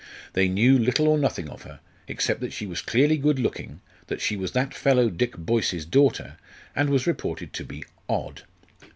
They knew little or nothing of her, except that she was clearly good looking, that she was that fellow Dick Boyce's daughter and was reported to be "odd."